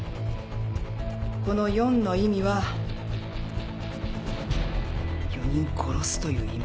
この４の意味は４人殺すという意味。